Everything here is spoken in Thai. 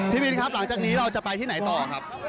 พี่บินครับหลังจากนี้เราจะไปที่ไหนต่อครับ